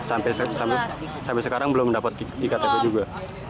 sampai sekarang belum mendapatkan ktp juga